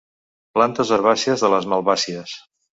Plantes herbàcies de les malvàcies.